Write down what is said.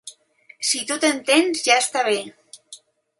Si tu t'entens, ja està bé.